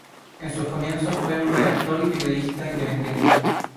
En sus comienzos fue un redactor y periodista independiente.